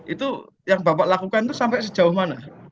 itu yang bapak lakukan itu sampai sejauh mana